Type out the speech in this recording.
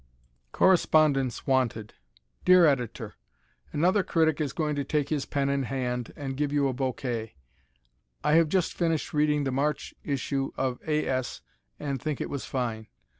Correspondents Wanted Dear Editor: Another critic is going to take his pen in hand and give you a bouquet. I have just finished reading the March issue of A. S. and think it was fine.